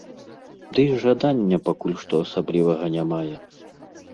Ды і жадання пакуль што асаблівага не мае.